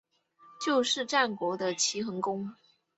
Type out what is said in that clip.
就是战国的齐桓公。